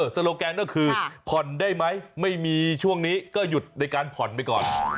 โลแกนก็คือผ่อนได้ไหมไม่มีช่วงนี้ก็หยุดในการผ่อนไปก่อน